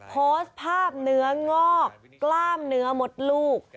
โพสต์ภาพเนื้องอกกล้ามเนื้อมดลูก